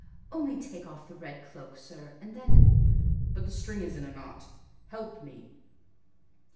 "Only take off the red cloak, sir, and then—" "But the string is in a knot—help me."